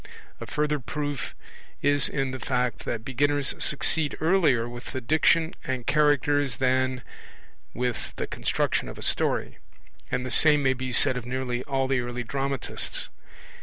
A further proof is in the fact that beginners succeed earlier with the Diction and Characters than with the construction of a story; and the same may be said of nearly all the early dramatists.